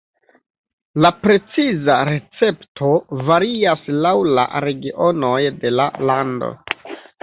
La preciza recepto varias laŭ la regionoj de la lando.